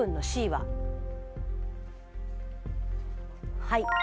はい。